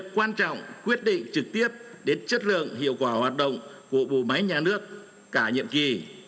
quan trọng quyết định trực tiếp đến chất lượng hiệu quả hoạt động của bộ máy nhà nước cả nhiệm kỳ